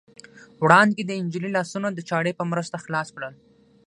وړانګې د نجلۍ لاسونه د چاړې په مرسته خلاص کړل.